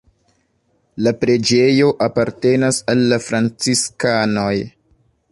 La preĝejo apartenas al la franciskanoj.